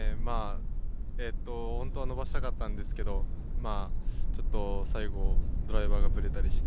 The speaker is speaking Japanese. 本当は伸ばしたかったんですけどちょっと最後、ドライバーがぶれたりして。